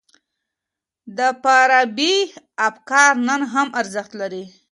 د فارابي افکار نن هم ارزښت لري.